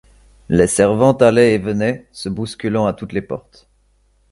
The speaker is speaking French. Les servantes allaient et venaient, se bousculant à toutes les portes.